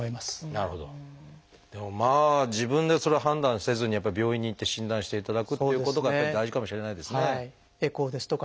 でも自分でそれを判断せずにやっぱり病院に行って診断していただくっていうことがやっぱり大事かもしれないですね。